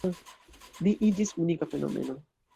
Ni iĝis unika fenomeno.